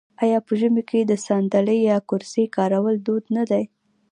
آیا په ژمي کې د ساندلۍ یا کرسۍ کارول دود نه دی؟